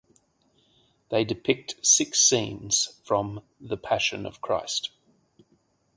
They depict six scenes from the "Passion of Christ".